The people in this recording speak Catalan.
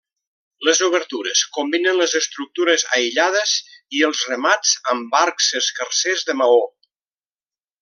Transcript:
Les obertures combinen les estructures aïllades i els remats amb arcs escarsers de maó.